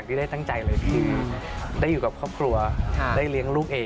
คุณผู้ชมไม่เจนเลยค่ะถ้าลูกคุณออกมาได้มั้ยคะ